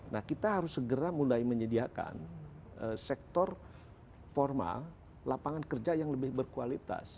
nah kita harus segera mulai menyediakan sektor formal lapangan kerja yang lebih berkualitas